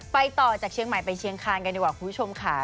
ไปต่อจากเชียงใหม่ไปเชียงคานกันดีกว่าคุณผู้ชมค่ะ